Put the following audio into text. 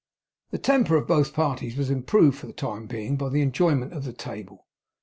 The temper of both parties was improved, for the time being, by the enjoyments of the table.